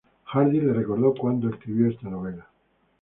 Hardy la recordó cuando escribió esta novela.